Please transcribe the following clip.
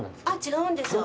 違うんですよ。